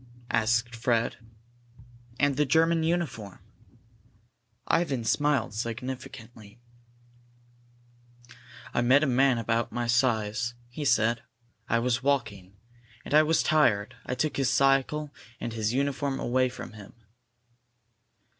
asked Fred. "And the German uniform?" Ivan smiled significantly. "I met a man of about my size," he said. "I was walking. And I was tired. I took his cycle and his uniform away from him."